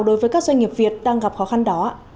đối với các doanh nghiệp việt đang gặp khó khăn đó